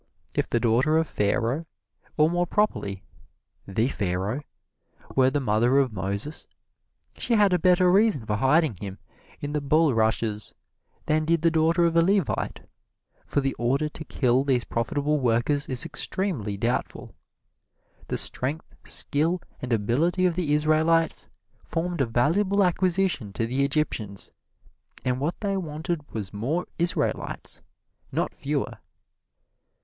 If the daughter of Pharaoh, or more properly "the Pharaoh," were the mother of Moses, she had a better reason for hiding him in the bulrushes than did the daughter of a Levite, for the order to kill these profitable workers is extremely doubtful. The strength, skill and ability of the Israelites formed a valuable acquisition to the Egyptians, and what they wanted was more Israelites, not fewer.